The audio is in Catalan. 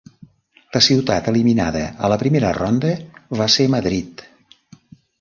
La ciutat eliminada a la primera ronda va ser Madrid.